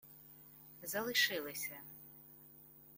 Залишилися